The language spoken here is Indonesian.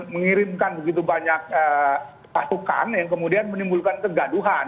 mengirimkan begitu banyak pasukan yang kemudian menimbulkan kegaduhan